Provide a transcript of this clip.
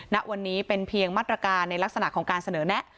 ณวันนี้เป็นเพียงมาตรการในลักษณะของการเสนอแนะ